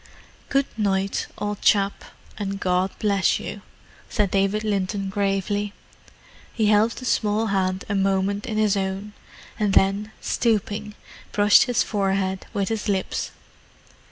'" "Good night, old chap, and God bless you," said David Linton gravely. He held the small hand a moment in his own, and then, stooping, brushed his forehead with his lips.